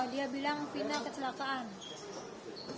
dia bilang fina kecelakaan